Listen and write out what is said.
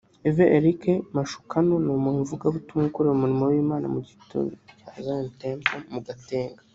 Ev Eric Mashukano ni umuvugabutumwa ukorera umurimo w’Imana mu itorero rya Zion Temple mu Gatenga